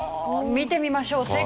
見てみましょう。